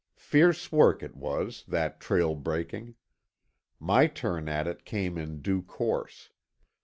Fierce work it was, that trail breaking. My turn at it came in due course.